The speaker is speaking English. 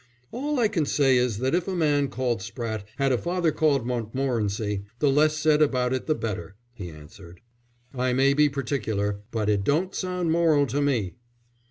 "All I can say is that if a man called Spratte had a father called Montmorency, the less said about it the better," he answered. "I may be particular, but it don't sound moral to me."